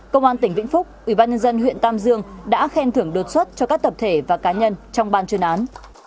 công an tỉnh vĩnh phúc ủy ban nhân dân huyện tam dương đã khen thưởng đột xuất cho các tập thể và cá nhân trong ban chuyên án